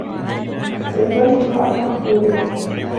وَيُبَرْهِنُ عَنْ مَحْصُولِهِ